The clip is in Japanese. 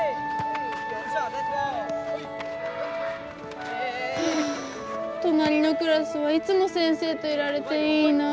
はぁとなりのクラスはいつも先生といられていいなあ。